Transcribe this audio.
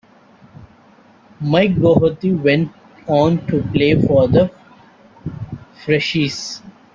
Mike Doherty went on to play for The Freshies.